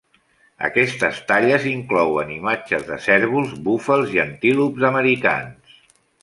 Aquestes talles inclouen imatges de cérvols, búfals i antílops americans.